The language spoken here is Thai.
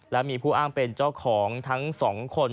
และมีผู้อ้างเป็นเจ้าของทั้ง๒คน